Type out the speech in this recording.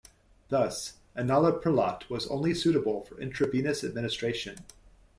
Thus, enalaprilat was only suitable for intravenous administration.